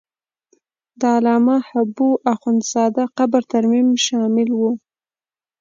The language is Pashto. د علامه حبو اخند زاده قبر ترمیم شامل و.